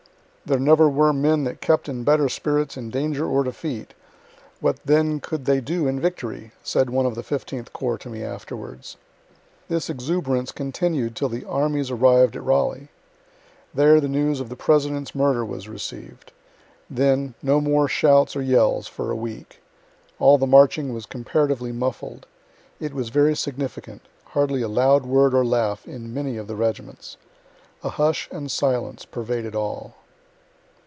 ("There never were men that kept in better spirits in danger or defeat what then could they do in victory?" said one of the 15th corps to me, afterwards.) This exuberance continued till the armies arrived at Raleigh. There the news of the President's murder was receiv'd. Then no more shouts or yells, for a week. All the marching was comparatively muffled. It was very significant hardly a loud word or laugh in many of the regiments. A hush and silence pervaded all.